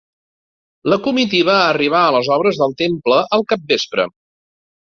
La comitiva arribà a les obres del Temple al capvespre.